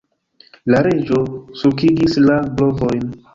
La Reĝo sulkigis la brovojn.